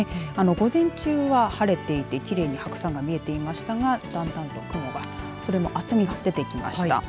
午前中は晴れていてきれいな白山が見えていましたがだんだんと雲が厚みが出てきました。